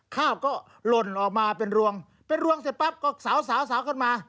ข้าวก็หล่นออกมาเป็นรวงเป็นรวงเสร็จปั๊บก็สาวสาวกันมา